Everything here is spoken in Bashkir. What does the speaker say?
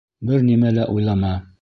Бер нимә лә уйлама.